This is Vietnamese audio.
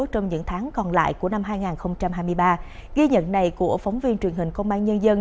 trong những tháng còn lại của năm hai nghìn hai mươi ba ghi nhận này của phóng viên truyền hình công an nhân dân